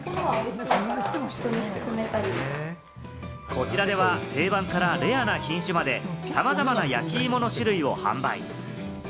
こちらでは定番からレアな品種まで、さまざまな焼き芋の種類を販売。